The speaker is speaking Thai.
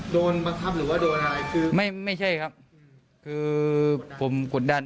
โดนบังคับหรือว่าโดนอะไรคือไม่ไม่ใช่ครับคือผมกดดัน